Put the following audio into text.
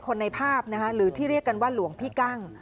ในภาพหรือที่เรียกกันว่าหลวงพี่กั้ง